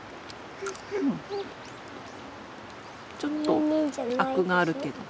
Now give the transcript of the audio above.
ちょっとアクがあるけど。